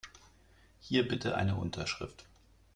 Hier bitte eine Unterschrift.